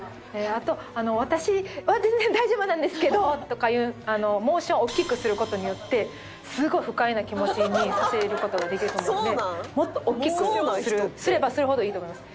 あと私は全然大丈夫なんですけどとかいうモーションを大きくする事によってすごい不快な気持ちにさせる事ができると思うのでもっと大きくするすればするほどいいと思います。